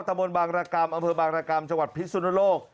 ตะบนบางรกรรมอำเภอบางรกรรมจังหวัดพิษสุนโลก